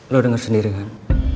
lo denger sendiri kan